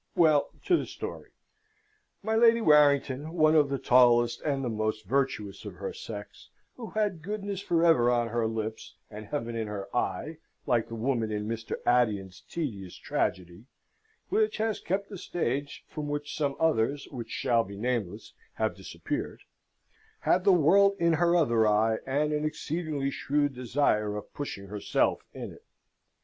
Well, to the story. My Lady Warrington, one of the tallest and the most virtuous of her sex, who had goodness for ever on her lips and "Heaven in her eye," like the woman in Mr. Addison's tedious tragedy (which has kept the stage, from which some others, which shall be nameless, have disappeared), had the world in her other eye, and an exceedingly shrewd desire of pushing herself in it.